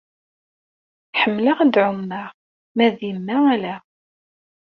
Ḥemmleɣ ad ɛummeɣ, ma d yemma ala.